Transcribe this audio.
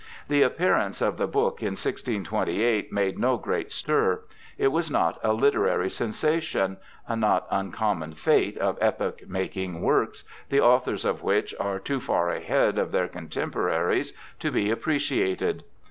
The appearance of the book in 1628 made no great stir ; it was not a literary sensation— a not uncommon fate of epoch making works, the authors of which are too far ahead of their contemporaries to be 320 BIOGRAPHICAL ESSAYS appreciated.